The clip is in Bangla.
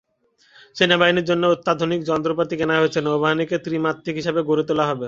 সেনাবাহিনীর জন্য অত্যাধুনিক যন্ত্রপাতি কেনা হয়েছে, নৌবাহিনীকে ত্রিমাত্রিক হিসেবে গড়ে তোলা হবে।